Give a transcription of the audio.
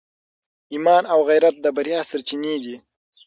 ایمان او غیرت د بریا سرچینې دي.